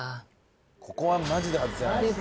ここはマジで外せないよ。